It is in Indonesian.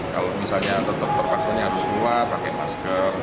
kalau misalnya tetap terpaksa harus keluar pakai masker